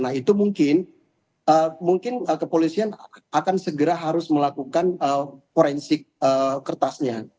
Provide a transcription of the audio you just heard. nah itu mungkin kepolisian akan segera harus melakukan forensik kertasnya